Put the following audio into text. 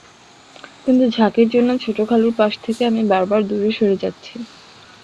কিন্তু ঝাঁকির জন্য ছোট খালুর পাশ থেকে আমি বারবার দূরে সরে যাচ্ছি।